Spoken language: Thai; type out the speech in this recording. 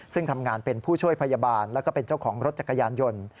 ซึ่งทำงานเป็นผู้ช่วยพยาบาลแล้วก็เป็นเจ้าของรถจักรยานยนต์